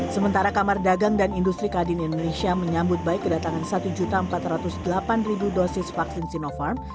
sementara kamar dagang dan industri kadin indonesia menyambut baik kedatangan satu empat ratus delapan dosis vaksin sinopharm